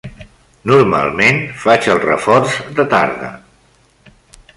Normalment, faig el reforç de tarda.